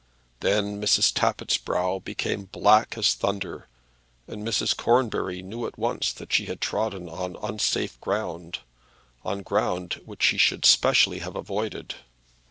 Then Mrs. Tappitt's brow became black as thunder, and Mrs. Cornbury knew at once that she had trodden on unsafe ground, on ground which she should specially have avoided.